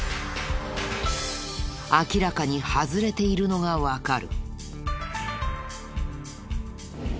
明らかに外れているのがわかる。